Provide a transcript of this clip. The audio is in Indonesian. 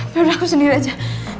biar aku sendiri aja